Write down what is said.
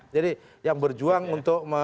jadi yang berjuang untuk membangun